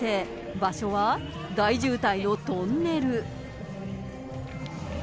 場所は大渋滞のトンネル。